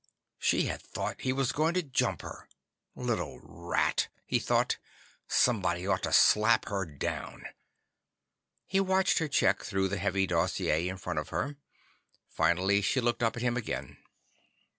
She had thought he was going to jump her. Little rat! he thought, somebody ought to slap her down! He watched her check through the heavy dossier in front of her. Finally, she looked up at him again.